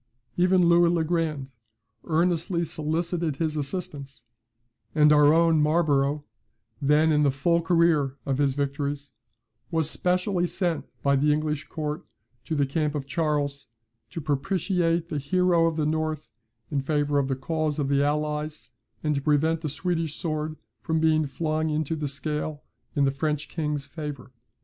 Even Louis le Grand earnestly solicited his assistance; and our own Marlborough, then in the full career of his victories, was specially sent by the English court to the camp of Charles, to propitiate the hero of the north in favour of the cause of the allies and to prevent the Swedish sword from being flung into the scale in the French king's favour.